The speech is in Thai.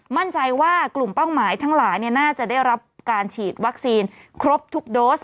มั่นใจว่ากลุ่มเป้าหมายทั้งหลายน่าจะได้รับการฉีดวัคซีนครบทุกโดส